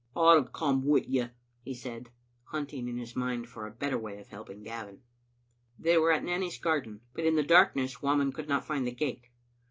"I'll come wi' you," he said, hunting in his mind for a better way of helping Gavin. They were at Nanny's garden, but in the darkn<ess Whamond could not find the gate.